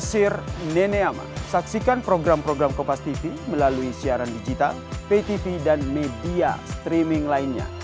saksikan program program kompastv melalui siaran digital ptv dan media streaming lainnya